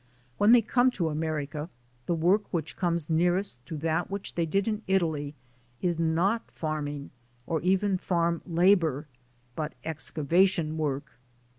When they come to America, the work which comes nearest to that which they did in Italy is not farming, or even farm 78 THE SOUL OF AN IMMIGRANT labor, but excavation work.